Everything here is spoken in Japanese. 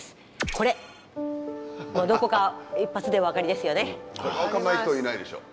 これ分かんない人いないでしょう。